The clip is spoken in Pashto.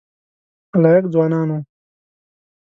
لایق ځوانان وو.